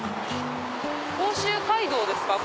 甲州街道ですか？